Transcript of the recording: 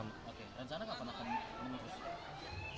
oke rencana kapan akan menerus